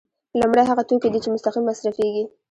لومړی هغه توکي دي چې مستقیم مصرفیږي.